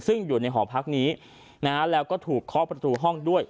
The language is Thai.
ซึ่งอยู่ในหอพักนี้นะฮะแล้วก็ถูกเคาะประตูห้องด้วย